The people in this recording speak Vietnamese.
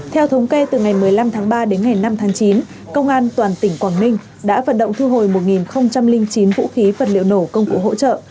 theo thống kê từ ngày một mươi năm tháng ba đến ngày năm tháng chín công an toàn tỉnh quảng ninh đã vận động thu hồi một chín vũ khí vật liệu nổ công cụ hỗ trợ